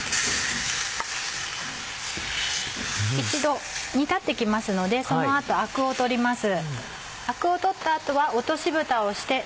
一度煮立って来ますのでその後アクを取ります。